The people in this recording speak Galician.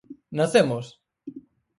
Nacemos?